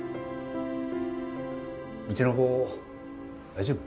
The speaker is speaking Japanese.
うちの子大丈夫？